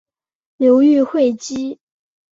流寓会稽。